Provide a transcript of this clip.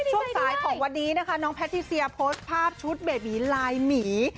ช่วงสายของวันนี้นะคะน้องแพทิเซียโพสต์ภาพชุดเบบีลายหมี